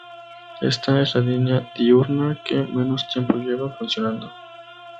Esta, es la línea diurna, que menos tiempo lleva funcionando.